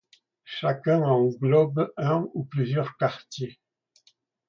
Chacun englobe un ou plusieurs quartiers.